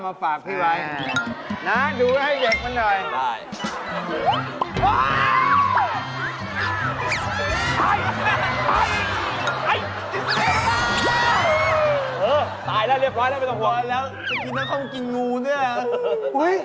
จะไม่พอแล้ว